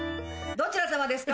どちら様ですか？